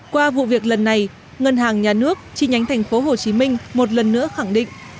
qua vụ việc lần này ngân hàng nhà nước chi nhánh thành phố hồ chí minh một lần nữa khẳng định